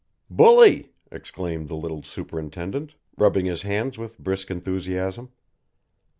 "Bully!" exclaimed the little superintendent, rubbing his hands with brisk enthusiasm.